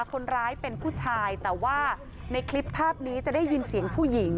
คนร้ายเป็นผู้ชายแต่ว่าในคลิปภาพนี้จะได้ยินเสียงผู้หญิง